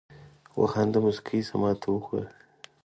وخانده مسکی شه ماته وګوره